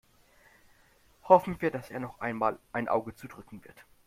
Hoffen wir, dass er nochmal ein Auge zudrücken wird.